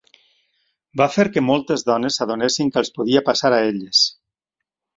Va fer que moltes dones s'adonessin que els podia passar a elles.